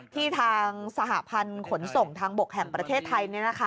ที่ทางสหพันธุ์ขนส่งทางบกแห่งประเทศไทยเนี่ยนะคะ